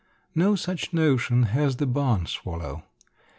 No such notion has the barn swallow.